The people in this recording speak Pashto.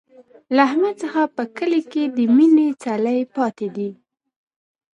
له احمد څخه په کلي کې د مینې څلی پاتې دی.